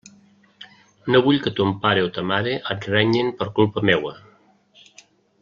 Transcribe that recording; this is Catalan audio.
No vull que ton pare o ta mare et renyen per culpa meua.